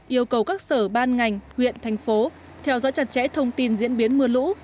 yêu cầu các sở ban ngành huyện thành phố theo dõi chặt chẽ thông tin diễn biến mưa lũ